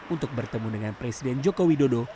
untuk bertemu dengan presiden jokowi dodo